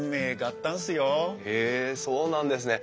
へえそうなんですね。